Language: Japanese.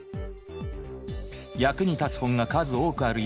役に立つ本が数多くある一方